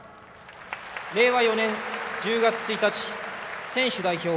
令和４年１０月１日選手代表